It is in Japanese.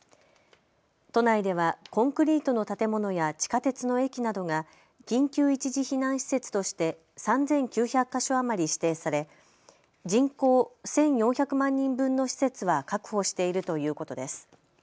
都内ではコンクリートの建物や地下鉄の駅などが緊急一時避難施設として３９００か所余り指定され人口１４００万人分の施設は確保しているということです。